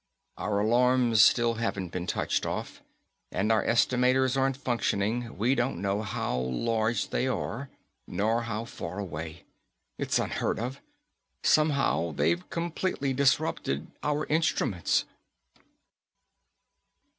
Our alarms still haven't been touched off, and our estimators aren't functioning; we don't know how large they are nor how far away. It's unheard of .Somehow they've completely disrupted our instruments."